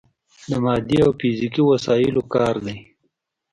د مادي او فزیکي وسايلو کار دی.